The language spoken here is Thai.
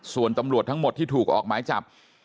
ส่วนตำรวจทั้งหมดที่ถูกออกหมายจับ